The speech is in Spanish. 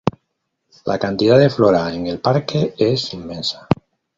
La cantidad de flora en el parque es inmensa.